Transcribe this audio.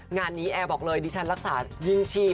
งานนี้แอร์บอกเลยดิฉันรักษายิ่งชีพ